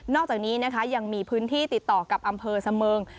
อกจากนี้นะคะยังมีพื้นที่ติดต่อกับอำเภอเสมิง